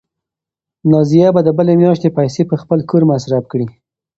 نازیه به د بلې میاشتې پیسې په خپل کور مصرف کړي.